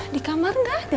di kamar nggak ada